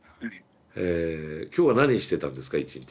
今日は何してたんですか一日。